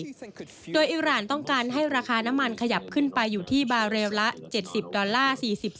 สาอุยังต้องการให้ราคาน้ำมันขยับอยู่ที่บาร์เรลละ๗๐๔๐ดอลลาร์